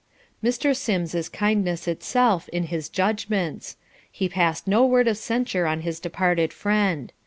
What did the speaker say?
Mr. Sims is kindliness itself in his judgments. He passed no word of censure on his departed friend.